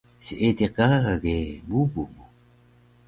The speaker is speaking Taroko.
Seediq gaga ge bubu mu